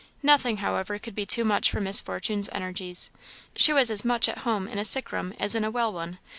Nothing, however, could be too much for Miss Fortune's energies; she was as much at home in a sick room as in a well one.